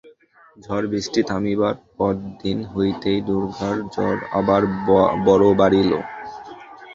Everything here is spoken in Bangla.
ঝড় বৃষ্টি থামিবার পরদিন হইতেই দুর্গার জ্বর আবার বড় বাড়িল।